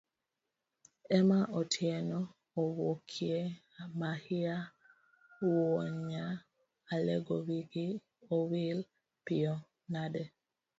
Ema Otieno owuokie, mahia wuonya alegowigi owil piyo nade?